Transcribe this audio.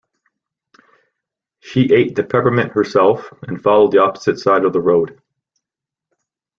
She ate the peppermint herself and followed the opposite side of the road.